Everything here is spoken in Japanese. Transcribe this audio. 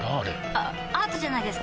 あアートじゃないですか？